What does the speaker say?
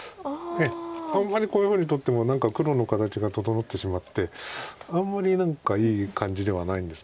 あんまりこういうふうに取っても何か黒の形が整ってしまってあんまり何かいい感じではないんです。